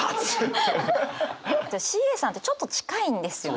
ＣＡさんってちょっと近いんですよね。